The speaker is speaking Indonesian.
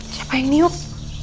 siapa yang niuk